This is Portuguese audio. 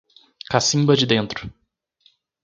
Cacimba de Dentro